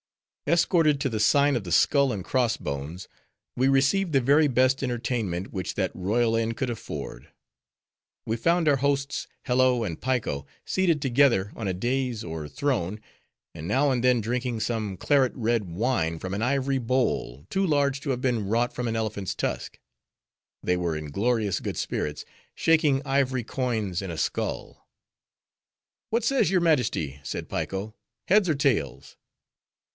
Escorted to the sign of the Skull and Cross Bones, we received the very best entertainment which that royal inn could afford. We found our hosts Hello and Piko seated together on a dais or throne, and now and then drinking some claret red wine from an ivory bowl, too large to have been wrought from an elephant's tusk. They were in glorious good spirits, shaking ivory coins in a skull. "What says your majesty?" said Piko. "Heads or tails?"